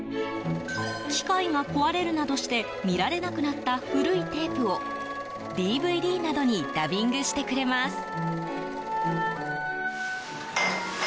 機械が壊れるなどして見られなくなった古いテープをＤＶＤなどにダビングしてくれます。